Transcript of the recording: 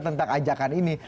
tentang ajakan ini